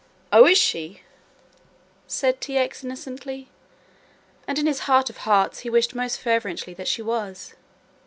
"Oh, is she?" said T. X. innocently, and in his heart of hearts he wished most fervently that she was.